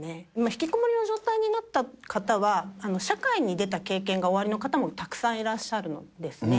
ひきこもりの状態になった方は、社会に出た経験がおありの方もたくさんいらっしゃるのですね。